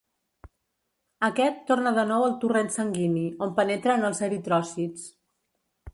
Aquest torna de nou al torrent sanguini, on penetra en els eritròcits.